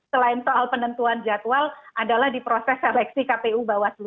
pemilu youngest war ibu nostris ini kecemasan apa